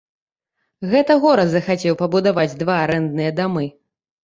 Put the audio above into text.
Гэта горад захацеў пабудаваць два арэндныя дамы.